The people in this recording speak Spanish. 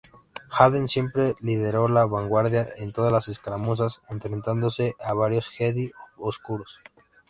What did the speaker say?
Jaden siempre lideró la vanguardia en todas las escaramuzas, enfrentándose a varios Jedi oscuros.